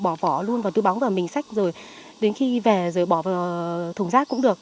bỏ vỏ luôn vào túi bóng và mình xách rồi đến khi về rồi bỏ vào thùng rác cũng được